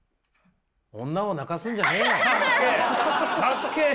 女を泣かすんじゃねえよ。かっけえ！